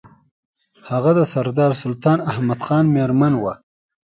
هغه د سردار سلطان احمد خان مېرمن وه.